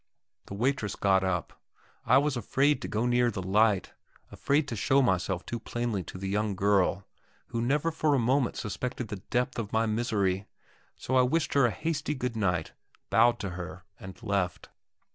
The waitress got up. I was afraid to go near the light afraid to show myself too plainly to the young girl, who never for a moment suspected the depth of my misery; so I wished her a hasty good night, bowed to her, and left.